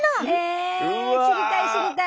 え知りたい知りたい！